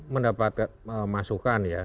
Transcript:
mendapatkan masukan ya